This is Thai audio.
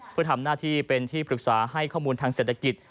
เพื่อทำหน้าที่เป็นที่ปรึกษาให้ข้อมูลทางเศรษฐกิจ